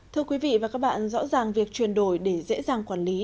thưa quý vị và các bạn rõ ràng việc chuyển đổi để dễ dàng quản lý